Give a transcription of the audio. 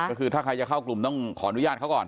ก็คือถ้าใครจะเข้ากลุ่มต้องขออนุญาตเขาก่อน